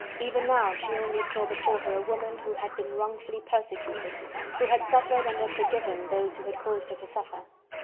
Even now she only saw before her a woman who had been wrongfully persecuted, who had suffered and had forgiven those who had caused her to suffer.